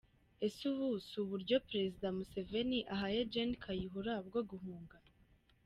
Ese ubu si uburyo Perezida Museveni ahaye Gen Kayihura bwo guhunga?